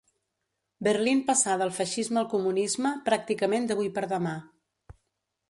Berlín passà del feixisme al comunisme, pràcticament d'avui per demà.